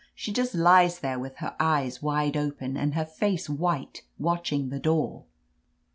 She just lies there with her leyes wide open and her face white, watching the door.